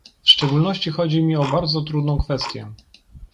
W szczególności chodzi mi o bardzo trudną kwestię